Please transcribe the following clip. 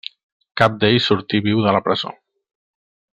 Cap d'ells sortí viu de la presó.